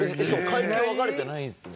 階級分かれてないんですよね？